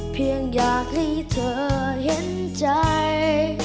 เพียงอยากให้เธอเห็นใจ